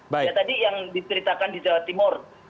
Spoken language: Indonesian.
ya tadi yang diceritakan di jawa timur